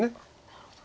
なるほど。